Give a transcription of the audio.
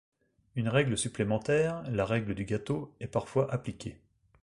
Une règle supplémentaire, la règle du gâteau, est parfois appliquée.